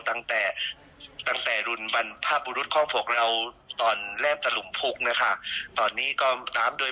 ตั้งแต่รุ่นบรรพบุรุษของบวกเราตอนเรฟตะลุกฐุตอนนี้ก็ตามด้วย